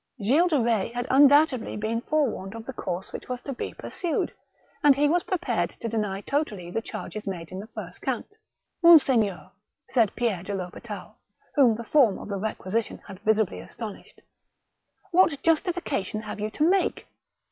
Gilles de Eetz had undoubtedly been forewarned of the course which was to be pursued, and he was pre pared to deny totally the charges made in the first count. " Monseigneur," said Pierre de THospital, whom the form of the requisition had visibly astonished :What justification have you to make